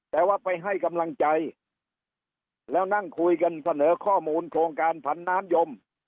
แต่ว่าไปให้กำลังใจแล้วนั่งคุยกันเสนอข้อมูลโครงการผันน้ำยม